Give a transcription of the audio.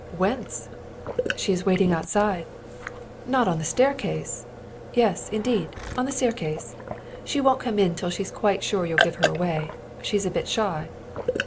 "Whence?" "She is waiting outside." "Not on the staircase?" "Yes, indeed. On the staircase. She won't come in till she's quite sure you'll give her away. She's a bit shy."